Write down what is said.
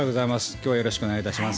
きょうはよろしくお願いいたします。